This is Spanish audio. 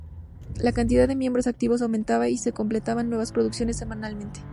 La cantidad de miembros activos aumentaba, y se completaban nuevas producciones semanalmente.